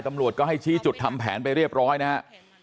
ตำรวจก็ให้ชี้จุดทำแผนไปเรียบร้อยนะฮะ